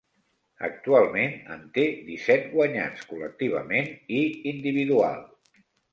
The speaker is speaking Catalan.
Actualment en té disset, guanyats col·lectivament i individual.